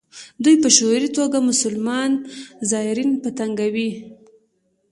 دوی په شعوري توګه مسلمان زایرین په تنګوي.